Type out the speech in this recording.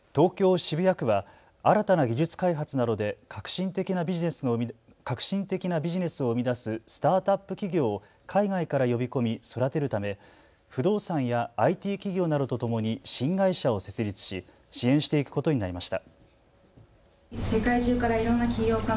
渋谷区は新たな技術開発などで革新的なビジネスを生み出すスタートアップ企業を海外から呼び込み育てるため不動産やＩＴ企業などとともに新会社を設立し支援していくことになりました。